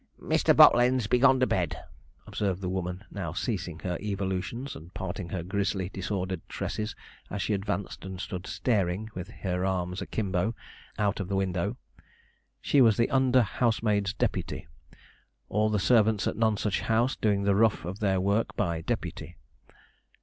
'Mr. Bottleends be gone to bed,' observed the woman, now ceasing her evolutions, and parting her grisly, disordered tresses, as she advanced and stood staring, with her arms akimbo, out of the window. She was the under housemaid's deputy; all the servants at Nonsuch House doing the rough of their work by deputy.